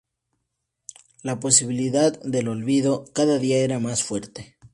La posibilidad del olvido, cada día era más fuerte.